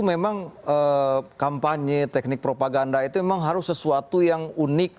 memang kampanye teknik propaganda itu memang harus sesuatu yang unik